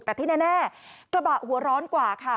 แต่ที่แน่กระบะหัวร้อนกว่าค่ะ